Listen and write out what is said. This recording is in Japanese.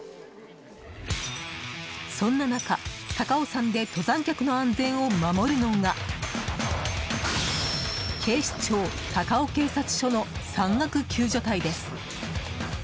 そんな中、高尾山で登山客の安全を守るのが警視庁高尾警察署の山岳救助隊です。